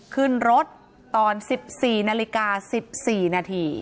ขึ้นรถตอน๑๔นาฬิกา๑๔นาที